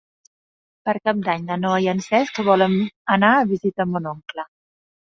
Per Cap d'Any na Noa i en Cesc volen anar a visitar mon oncle.